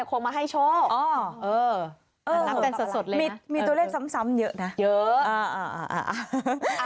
กุมารคงมาให้โชว์อ๋อเออหันลับเป็นสดเลยนะ